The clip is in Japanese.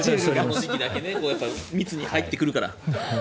この時期だけね密に入ってくるから。